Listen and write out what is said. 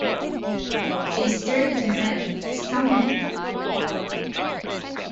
I stared at the man, astounded.